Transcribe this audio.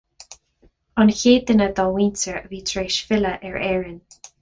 An chéad duine dá mhuintir a bhí tar éis filleadh ar Éirinn.